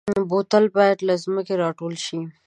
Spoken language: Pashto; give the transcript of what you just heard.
بوتل باید له ځمکې راټول شي.